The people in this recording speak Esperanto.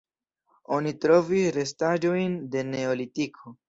Oni trovis restaĵojn de neolitiko.